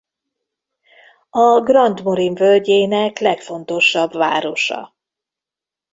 A Grand Morin völgyének legfontosabb városa.